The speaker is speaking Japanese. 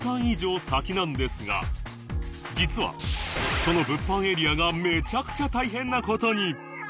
実はその物販エリアがめちゃくちゃ大変な事に！